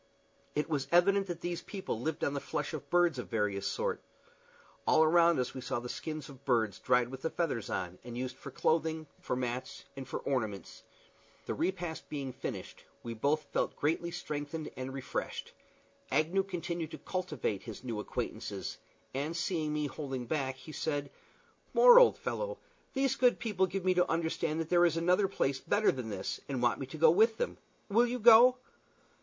It was evident that these people lived on the flesh of birds of various sorts. All around us we saw the skins of birds dried with the feathers on, and used for clothing, for mats, and for ornaments. The repast being finished, we both felt greatly strengthened and refreshed. Agnew continued to cultivate his new acquaintances, and seeing me holding back, he said, "More, old fellow, these good people give me to understand that there is another place better than this, and want me to go with them. Will you go?"